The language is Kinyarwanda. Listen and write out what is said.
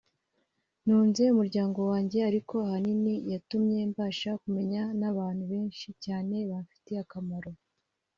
ntunze umuryango wanjye ariko ahanini yatumye mbasha kumenya n'abantu benshi cyane bamfitiye akamaro